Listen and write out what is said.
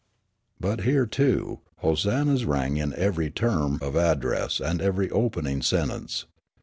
But here, too, hosannas rang in every term of address and every opening sentence.